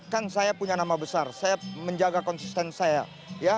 kan saya punya nama besar saya menjaga konsisten saya ya